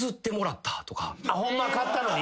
ホンマは買ったのに？